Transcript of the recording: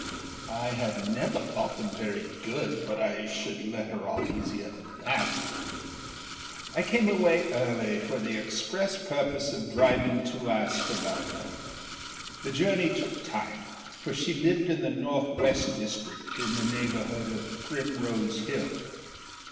â I had never thought them very good, but I should let her off easier than that. I came away early, for the express purpose of driving to ask about her. The journey took time, for she lived in the north west district, in the neighbourhood of Primrose Hill.